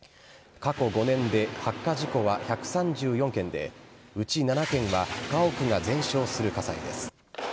過去５年で発火事故は１３４件で、うち７件は、家屋が全焼する火災です。